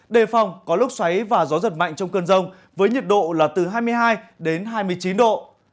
đề phòng có lúc xoáy và gió giật mạnh trong cơn rông với nhiệt độ là từ hai mươi hai đến hai mươi chín độ